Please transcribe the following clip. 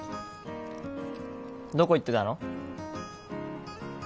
どこ行ってたの？